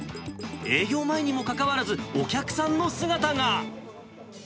営業前にもかかわらず、お客さんの姿が。